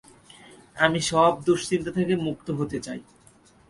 আমি সব দুশ্চিন্তা থেকে মুক্ত হতে চাই।